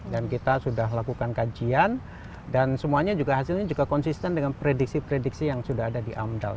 dan kita sudah lakukan kajian dan semuanya juga hasilnya juga konsisten dengan prediksi prediksi yang sudah ada di amdal